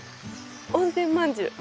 温泉まんじゅう。